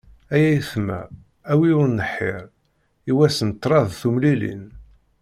Ay ayetma a wi ur nḥir, i wass n ṭṭrad tumlilin.